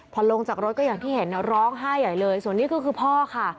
พอลงจากรถก็อย่างที่เห็นร้องไห้ใหญ่เลยส่วนนี้ก็คือพ่อค่ะ